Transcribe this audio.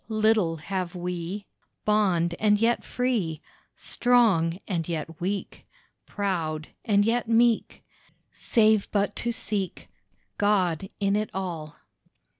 Little have we Bond and yet free, Strong and yet weak, Proud and yet meek, Save but to seek God in it all.